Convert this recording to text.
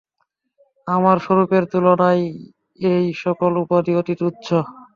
আমার স্বরূপের তুললায় এই-সকল উপাধি অতি তুচ্ছ।